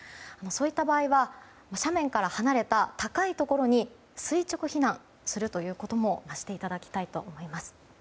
そういった場合は斜面から離れた高いところに垂直避難するということもしていただきたいと思います。